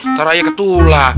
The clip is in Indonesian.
ntar ayah ketulah